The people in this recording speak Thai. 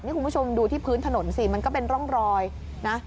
นี่คุณผู้ชมดูที่พื้นถนนสิมันก็เป็นร่องรอยนะ